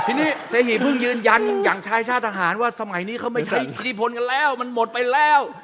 ทีนี้เสหีเพิ่งยืนยันอย่างชายชาติทหารว่าสมัยนี้เขาไม่ใช้อิทธิพลกันแล้วมันหมดไปแล้ว